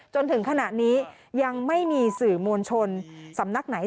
จนถึงขณะนี้ยังไม่มีสื่อมวลชนสำนักไหน